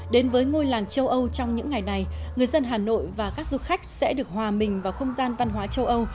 đến với ngôi làng châu âu trong những ngày này người dân hà nội và các du khách sẽ được hòa mình vào không gian văn hóa châu âu